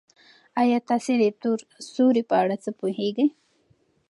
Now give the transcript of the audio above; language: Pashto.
ایا تاسي د تور سوري په اړه څه پوهېږئ؟